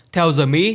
theo giờ mỹ